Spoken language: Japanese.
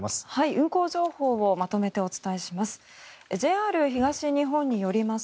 運行情報をまとめてお伝えします。